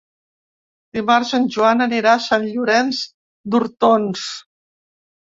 Dimarts en Joan anirà a Sant Llorenç d'Hortons.